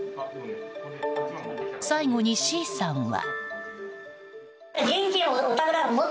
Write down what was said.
最後にＣさんは。